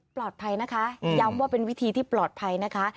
ปลอดภัยนะคะย้ำว่าเป็นวิธีที่ปลอดภัยนะคะ